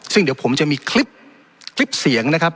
ซึ่งเดี๋ยวผมจะมีคลิปคลิปเสียงนะครับ